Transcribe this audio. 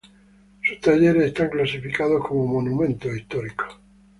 Sus talleres están clasificados como monumentos históricos.